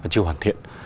chiều hoàn thiện